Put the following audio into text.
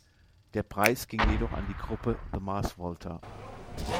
Der Preis ging jedoch an die Gruppe The Mars Volta.